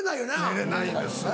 寝れないですね。